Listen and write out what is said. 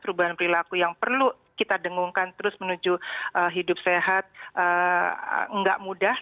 perubahan perilaku yang perlu kita dengungkan terus menuju hidup sehat tidak mudah